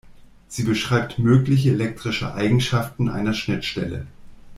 Sie beschreibt mögliche elektrische Eigenschaften einer Schnittstelle.